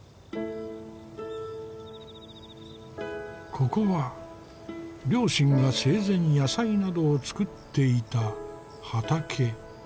ここは両親が生前野菜などを作っていた畑。